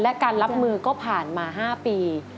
และการรับมือก็ผ่านมา๕ปี